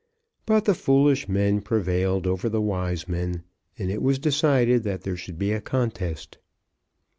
But the foolish men prevailed over the wise men, and it was decided that there should be a contest.